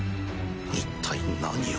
一体何を。